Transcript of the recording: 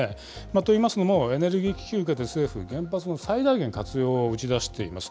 といいますのも、エネルギー危機を受けて、原発の最大限の活用を打ち出しています。